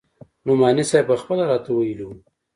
نعماني صاحب پخپله راته ويلي وو.